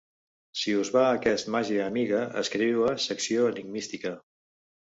Si us va aquest màgia amiga escriviu a "Secció Enigmística.